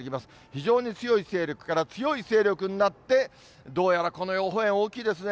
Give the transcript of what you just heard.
非常に強い勢力から強い勢力になって、どうやらこの予報円、大きいですね。